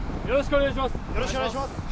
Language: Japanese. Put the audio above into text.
よろしくお願いします